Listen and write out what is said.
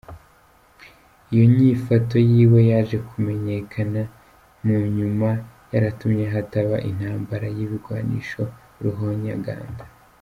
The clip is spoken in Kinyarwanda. Iyo nyifato yiwe yaje kumenyekana mu nyuma, yaratumye hataba intambara y'ibigwanisho ruhonyanganda.